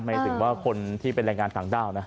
หมายถึงว่าคนที่เป็นแรงงานต่างด้าวนะ